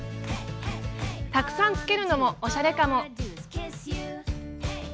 たくさんつけるのもおしゃれかも。